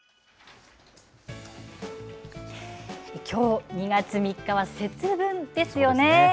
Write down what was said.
きょう２月３日は節分ですよね。